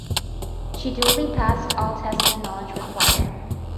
She duly past all test of knowledge required.